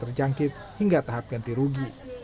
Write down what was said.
dari tahap jangkit hingga tahap ganti rugi